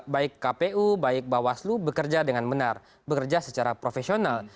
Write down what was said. baik kpu baik bawaslu bekerja dengan benar bekerja secara profesional